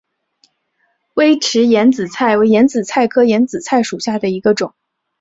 微齿眼子菜为眼子菜科眼子菜属下的一个种。